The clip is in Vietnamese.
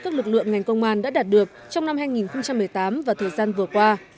các lực lượng ngành công an đã đạt được trong năm hai nghìn một mươi tám và thời gian vừa qua